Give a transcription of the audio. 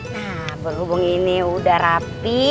nah berhubung ini udah rapi